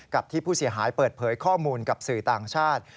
กับที่ผู้เสียหายเปิดเผยข้อมูลกับสื่อต่างชาติ